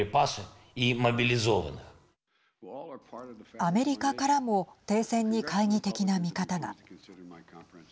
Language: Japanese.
アメリカからも停戦に懐疑的な見方が。